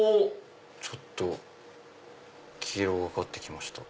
ちょっと黄色がかって来ました。